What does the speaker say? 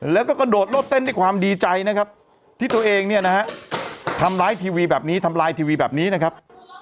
แล้วก็กระโดดโลดเต้นด้วยความดีใจนะครับที่ตัวเองเนี่ยนะฮะทำร้ายทีวีแบบนี้ทำลายทีวีแบบนี้นะครับ